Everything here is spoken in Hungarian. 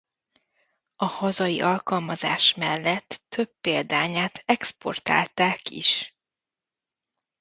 A hazai alkalmazás mellett több példányát exportálták is.